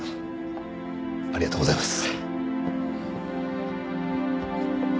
ありがとうございます。